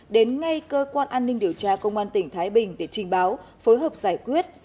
đến ngay cơ quan an ninh điều tra công an tỉnh thái bình để trình báo phối hợp giải quyết